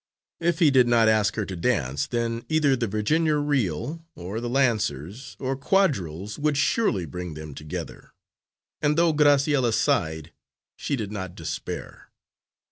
If he did not ask her to dance, then either the Virginia reel, or the lancers, or quadrilles, would surely bring them together; and though Graciella sighed, she did not despair.